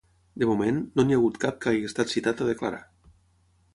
De moment, no n’hi ha hagut cap que hagi estat citat a declarar.